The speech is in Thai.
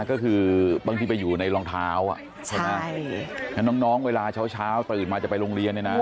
ก็คือบางทีไปอยู่ในรองเท้าน้องเวลาเช้าตื่นมาจะไปโรงเรียนเลยนะ